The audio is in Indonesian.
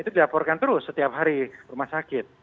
itu dilaporkan terus setiap hari rumah sakit